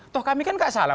toh kami kan gak salah